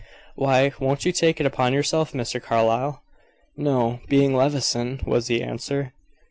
"Why, won't you take it upon yourself, Mr. Carlyle?" "No. Being Levison," was the answer.